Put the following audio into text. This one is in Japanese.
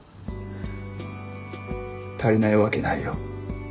足りないわけないよ。